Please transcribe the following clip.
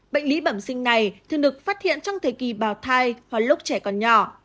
bệnh lý bẩm sinh này thường được phát hiện trong thời kỳ bào thai và lúc trẻ còn nhỏ